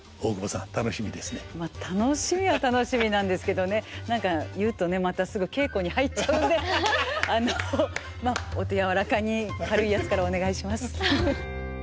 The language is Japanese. まあ楽しみは楽しみなんですけどね何か言うとねまたすぐ稽古に入っちゃうんであのまあお手柔らかに軽いやつからお願いします。